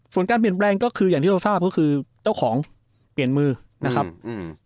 ส่วนการเปลี่ยนแปลงก็คืออย่างที่เราทราบก็คือเจ้าของเปลี่ยนมือนะครับอืม